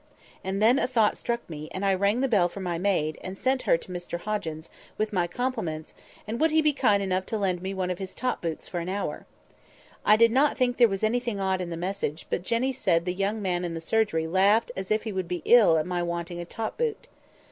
And then a thought struck me; and I rang the bell for my maid, and sent her to Mr Hoggins, with my compliments, and would he be kind enough to lend me one of his top boots for an hour? I did not think there was anything odd in the message; but Jenny said the young men in the surgery laughed as if they would be ill at my wanting a top boot.